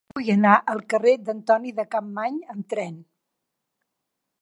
Vull anar al carrer d'Antoni de Capmany amb tren.